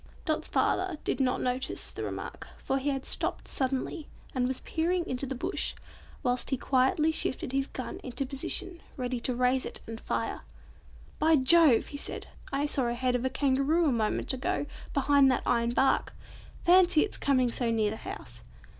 Dot's father did not notice the remark, for he had stopped suddenly, and was peering into the bush whilst he quietly shifted his gun into position, ready to raise it and fire. "By Jove!" he said, "I saw the head of a Kangaroo a moment ago behind that iron bark. Fancy it's coming so near the house.